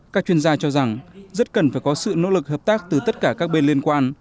các chuyên gia cho rằng rất cần phải có sự nỗ lực hợp tác từ tất cả các bên liên quan